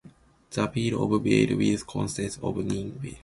The Peal of Bells will consist of nine Bells.